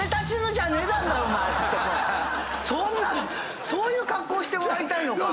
そんなそういう格好してもらいたいのか。